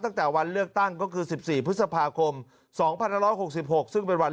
ตั้งแต่วันเลือกตั้งก็คือ๑๔พฤษภาคม๒๑๖๖ซึ่งเป็นวัน